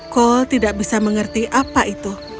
cole tidak bisa mengerti apa itu